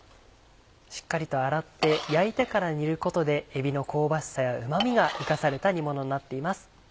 しっかりと洗って焼いてから煮ることでえびの香ばしさやうま味が生かされた煮物になっています。